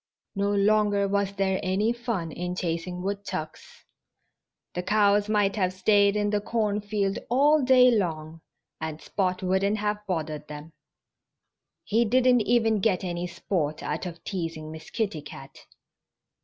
No longer was there any fun in chasing woodchucks. The cows might have stayed in the cornfield all day long and Spot wouldn't have bothered them. He didn't even get any sport out of teasing Miss Kitty Cat.